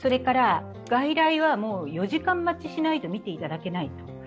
外来は４時間待ちしないと診ていただけない。